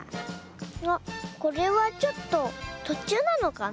あっこれはちょっととちゅうなのかな？